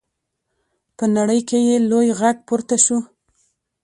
په نړۍ کې یې لوی غږ پورته شو.